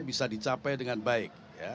bisa dicapai dengan baik